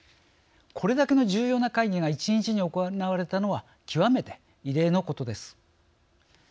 これだけの重要な会議が１日に行われたのは極めて異例のことです。